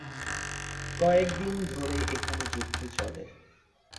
কয়েক দিন ধরে এখানে যুদ্ধ চলে।